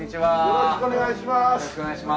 よろしくお願いします。